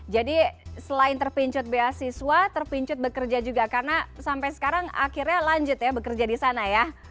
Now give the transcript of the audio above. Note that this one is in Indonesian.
jadi selain terpincut beasiswa terpincut bekerja juga karena sampai sekarang akhirnya lanjut ya bekerja di sana ya